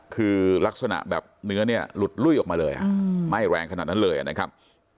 คือลักษณะแบบเนื้อเนี่ยหลุดลุ้ยออกมาเลยไหม้แรงขนาดนั้นเลยนะครับ